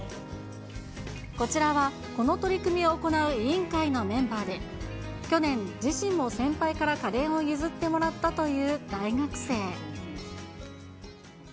こちらは、この取り組みを行う委員会のメンバーで、去年、自身も先輩から家電を譲ってもらったという大学生。